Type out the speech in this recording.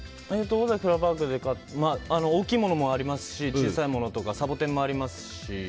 オザキフラワーパークで買った大きいものもありますし小さいものとかサボテンもありますし。